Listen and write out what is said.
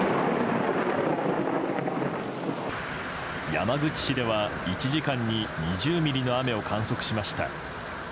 山口市では、１時間に２０ミリの雨を観測しました。